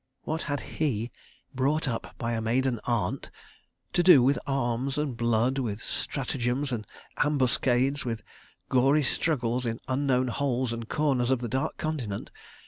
What had he (brought up by a maiden "aunt"!) to do with arms and blood, with stratagems and ambuscades, with gory struggles in unknown holes and corners of the Dark Continent?